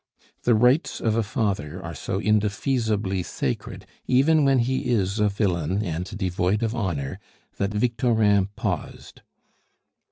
The rights of a father are so indefeasibly sacred, even when he is a villain and devoid of honor, that Victorin paused.